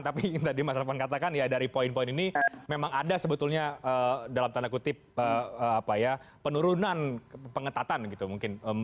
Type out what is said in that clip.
tapi tadi mas alvan katakan ya dari poin poin ini memang ada sebetulnya dalam tanda kutip penurunan pengetatan gitu mungkin